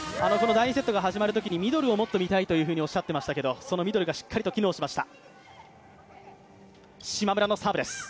第２セットが始まるときに、ミドルをもっと見たいとおっしゃっていましたけど、そのミドルがしっかりと機能しました。